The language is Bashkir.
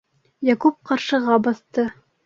Яҡуп ҡаршыға баҫты.